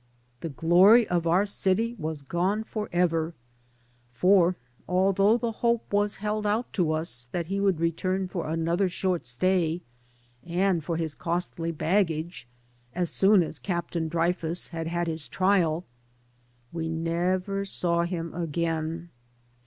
The glory of our city was gone forever, for, although the hope was held out to us that he would return for another short stay and for his costly baggage as soon as Captain Dreyfus had had his trial, we never saw him again.